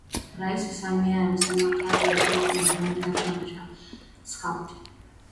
Rais Samia amesema kazi nzuri inayofanywa na Chama cha Skauti